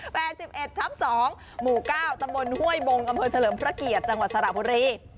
บานเลขที่๘๑๒หมู่๙ตำบลห้วยบงเฉลิมพระเกียจังหวัดสระบุรี